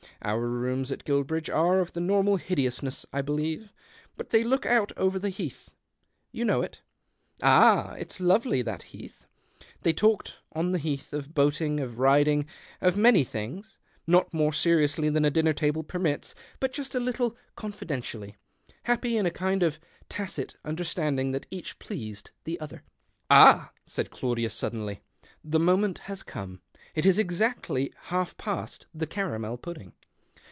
Our rooms at Guilbridge are of the normal hideousness, I believe. But they look out over the heath. You know it ?"" Ah — it's lovely, that heath !" They talked on of the heath, of boating, of riding, of many things — not more seriously than a dinner table permits, but just a little 166 THE OCTAVE OF CLAUDIUS. cocfidentially, happy in a kind of tacit under standing that each pleased the other. "Ah !" said Claudius suddenly, " the moment has come. It is exactly half past the caramel pudding."